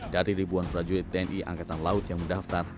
dari ribuan prajurit tni angkatan laut yang mendaftar